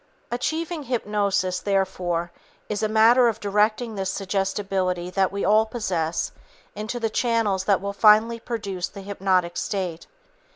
Achieving hypnosis, therefore, is a matter of directing this suggestibility that we all possess into the channels that will finally produce the hypnotic state.